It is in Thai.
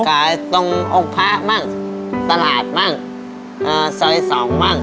ขายตรงองค์พระมั่งตลาดมั่งเอ่อซอยสองมั่ง